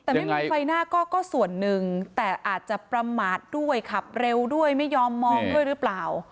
แต่ไม่มีไฟหน้าก็ส่วนหนึ่งแต่อาจจะประมาทด้วยขับเร็วด้วยไม่ยอมมองด้วยหรือเปล่า